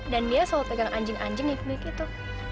dan dia selalu tegang anjing anjing yang punya itu